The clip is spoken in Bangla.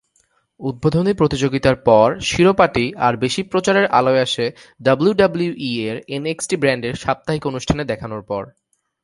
উদ্বোধনী প্রতিযোগিতার পর, শিরোপাটি আর বেশি প্রচারের আলোয় আসে ডাব্লিউডাব্লিউই-এর এনএক্সটি ব্র্যান্ডের সাপ্তাহিক অনুষ্ঠানে দেখানোর পর।